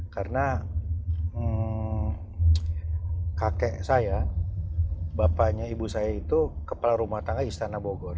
karena kakek saya bapaknya ibu saya itu kepala rumah tangga istana bogor